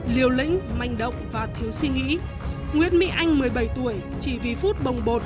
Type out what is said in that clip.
liều lĩnh manh động và thiếu suy nghĩ nguyễn mỹ anh một mươi bảy tuổi chỉ vì phút bồng bột